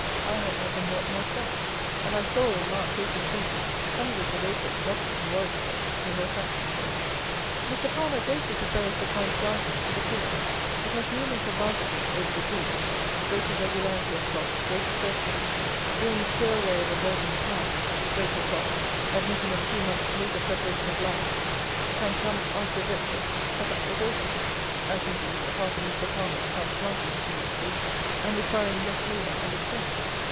I have had them rot myself, and I saw, in March 1820, hundreds of acres rotten in Warwickshire and Northamptonshire. Mr. PALMER greatly prefers the transplanting to the drilling. It has numerous advantages over the drilling; greater regularity of crop, greater certainty, the only sure way of avoiding the fly, greater crop, admitting of two months later preparation of land, can come after vetches cut up for horses (as, indeed, a part of Mr. PALMER'S transplanted Swedes did), and requiring less labour and expense.